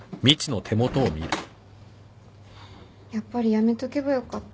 やっぱりやめとけばよかった。